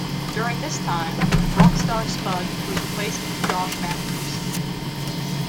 During this time Rockstar Spud was replaced with Josh Mathews.